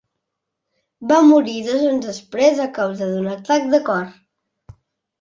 Va morir dos anys després a causa d'un atac de cor.